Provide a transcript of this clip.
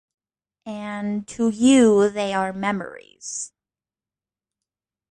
And to you they are memories.